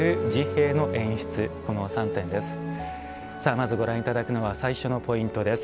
まずご覧いただくのは最初のポイントです。